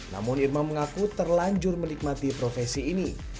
namun irma mengaku terlanjur menikmati profesi ini